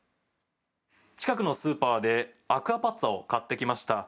近くのスーパーでアクアパッツァを買ってきました。